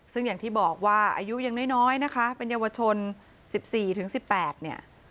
ซึ่งอย่างที่บอกว่าอายุยังน้อยนะคะเป็นเยาวชน๑๔ถึง๑๘เนี่ย